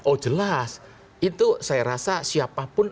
oh jelas itu saya rasa siapapun